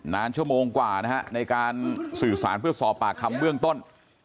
นานชั่วโมงกว่านะฮะในการสื่อสารเพื่อสอบปากคำเบื้องต้น